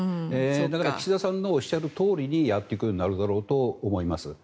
だから岸田さんのおっしゃるとおりにやっていくことになると思います。